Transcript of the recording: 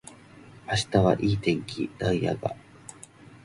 明日はいい天気なんやが